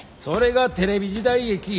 それがテレビ時代劇。